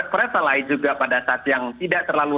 privalight juga pada saat yang tidak terlalu